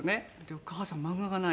「お母さん漫画がない」。